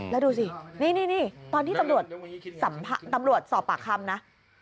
แล้วดูสินี่ตอนที่ตำรวจสอบปากคำนะ